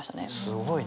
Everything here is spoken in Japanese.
すごいね。